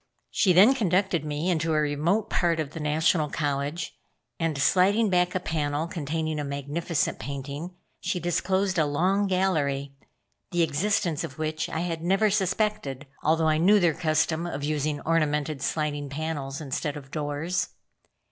She then conducted me into a remote part of the National College, and sliding back a panel containing a magnificent painting, she disclosed a long gallery, the existence of which I had never suspected, although I knew their custom of using ornamented sliding panels instead of doors.